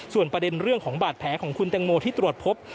ส่วนประเด็นเรื่องของบาดแผลของคุณแตงโมที่ตรวจพบ